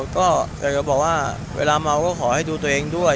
ก็อยากจะบอกว่าเวลาเมาก็ขอให้ดูตัวเองด้วย